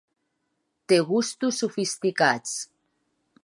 Té gustos sofisticats.